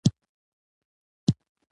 زه ښه کیږم